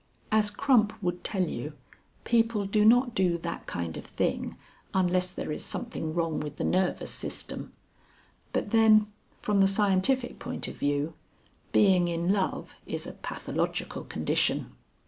As Crump would tell you, people do not do that kind of thing unless there is something wrong with the nervous system. But then, from the scientific point of view, being in love is a pathological condition.